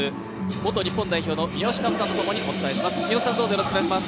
元日本代表の三好南穂さんとともにお伝えします。